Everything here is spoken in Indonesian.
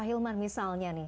ahilmar misalnya nih